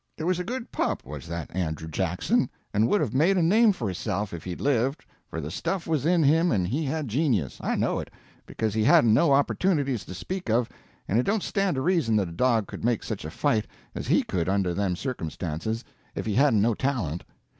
It was a good pup, was that Andrew Jackson, and would have made a name for hisself if he'd lived, for the stuff was in him and he had genius I know it, because he hadn't no opportunities to speak of, and it don't stand to reason that a dog could make such a fight as he could under them circumstances if he hadn't no talent.